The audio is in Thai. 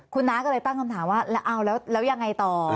คุณน้าก็เลยตั้งคำถามว่าแล้วเอาแล้วยังไงต่อ